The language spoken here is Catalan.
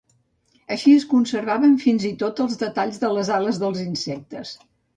Així es conservaven fins i tot els detalls de les ales dels insectes.